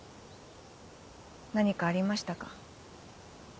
何かありましたか？